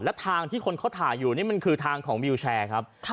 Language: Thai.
และทางที่คนเขาถ่ายอยู่นี่มันคือทางของวิวแชร์ครับ